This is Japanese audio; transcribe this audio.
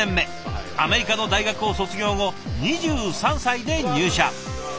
アメリカの大学を卒業後２３歳で入社。